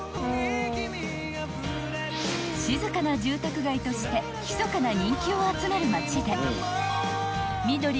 ［静かな住宅街としてひそかな人気を集める街で］